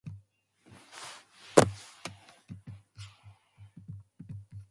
Parkes is noted for his fantasy-themed prints, paintings and sculptures.